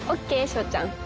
正ちゃん。